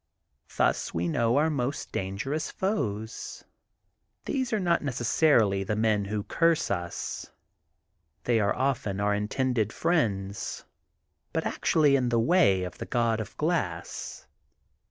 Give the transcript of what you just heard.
Thus we know our most dangerous foes. These are not necessarily the men who curse us. They are often our in tended friends, but actually in the way of the God of Glass.